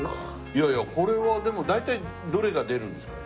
いやいやこれはでも大体どれが出るんですか？